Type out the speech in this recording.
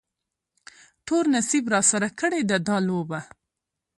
تور نصیب راسره کړې ده دا لوبه